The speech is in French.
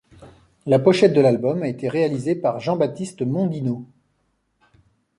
La pochette de l'album a été réalisée par Jean-Baptiste Mondino.